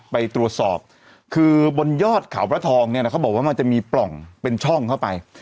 ไปตรวจสอบคือบนยอดเขาพระทองเนี่ยนะเขาบอกว่ามันจะมีปล่องเป็นช่องเข้าไป